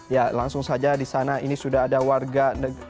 ya langsung saja disana ini sudah ada warga